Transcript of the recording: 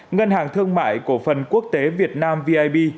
ngân hàng thương mại cổ phần quốc tế việt nam vib